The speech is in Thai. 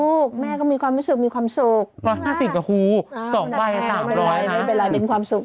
ลูกแม่ก็มีความรู้สึกมีความสุข๕๐กับครู๒ใบ๓๐๐ไม่เป็นไรเป็นความสุข